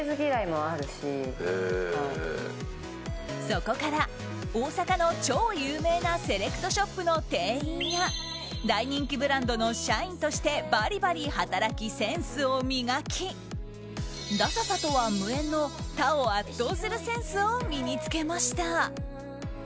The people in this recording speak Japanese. そこから大阪の超有名なセレクトショップの店員や大人気ブランドの社員としてバリバリ働き、センスを磨きダサさとは無縁の他を圧倒するセンスを身に付けました。